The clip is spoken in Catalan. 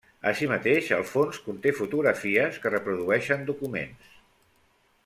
Així mateix el fons conté fotografies que reprodueixen documents.